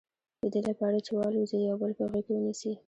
د دې لپاره چې والوزي یو بل په غېږ کې ونیسي.